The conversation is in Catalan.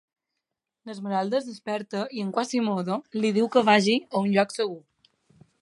Esmeralda es desperta i Quasimodo li diu que vagi a un lloc segur.